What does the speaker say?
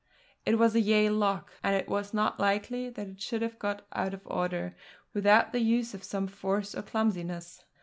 It was a Yale lock; and it was not likely that it should have got out of order without the use of some force or clumsiness.